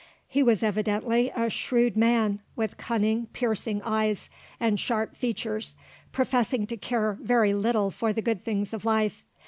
He was evidently a shrewd man, with cunning, piercing eyes, and sharp features, professing to care very little for the good things of life.